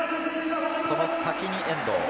その先に遠藤。